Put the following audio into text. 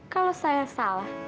kalau saya salah